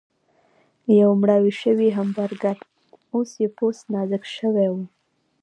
لکه یو مړاوی شوی همبرګر، اوس یې پوست نازک شوی و.